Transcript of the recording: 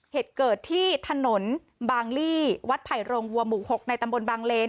เหตุเกิดที่ถนนบางลี่วัดไผ่โรงวัวหมู่๖ในตำบลบางเลน